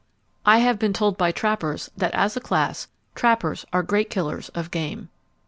I have been told by trappers that as a class, trappers are great killers of game.